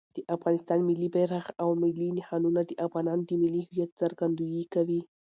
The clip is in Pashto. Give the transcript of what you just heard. د افغانستان ملي بیرغ او ملي نښانونه د افغانانو د ملي هویت څرګندویي کوي.